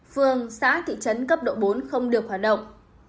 phường xã thị trấn cấp độ bốn không được hoạt động